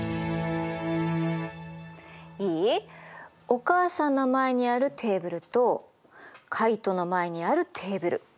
お母さんの前にあるテーブルとカイトの前にあるテーブル。